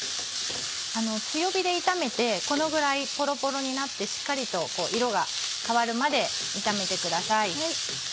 強火で炒めてこのぐらいポロポロになってしっかりと色が変わるまで炒めてください。